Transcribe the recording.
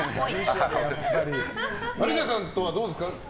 マルシアさんとはどうですか。